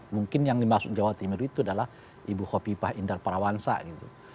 mungkin yang dimaksud jawa timur itu adalah ibu hovipah indar parawansa gitu